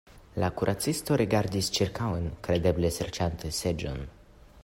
La kuracisto rigardis ĉirkaŭen, kredeble serĉante seĝon.